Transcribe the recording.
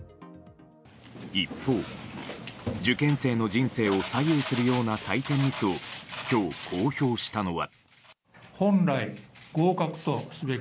一方、受験生の人生を左右するような採点ミスを今日、公表したのは。